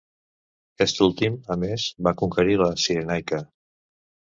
Aquest últim, a més, va conquerir la Cirenaica.